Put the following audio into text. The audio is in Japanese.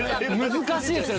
難しいですね